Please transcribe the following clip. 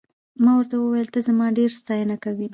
ما ورته وویل ته زما ډېره ستاینه کوې.